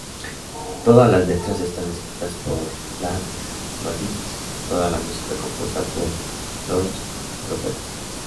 Todas las letras están escritas por Ian Watkins; toda la música compuesta por Lostprophets.